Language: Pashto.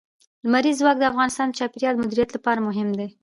لمریز ځواک د افغانستان د چاپیریال د مدیریت لپاره مهم دي.